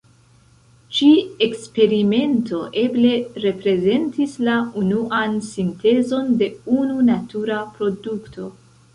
Ĉi-eksperimento eble reprezentis la unuan sintezon de unu natura produkto.